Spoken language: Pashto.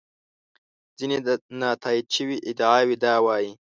ځینې نا تایید شوې ادعاوې دا وایي.